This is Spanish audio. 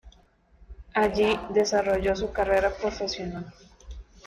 Allí desarrolló su carrera profesional.